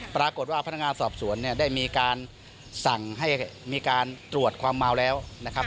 ปรากฏว่าพนักงานสอบสวนเนี่ยได้มีการสั่งให้มีการตรวจความเมาแล้วนะครับ